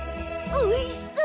おいしそう！